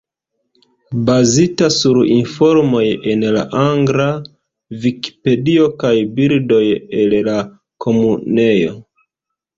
Bazita sur informoj en la angla Vikipedio kaj bildoj el la Komunejo.